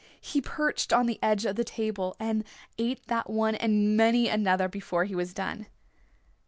He perched on the edge of the table and ate that one and many another before he was done.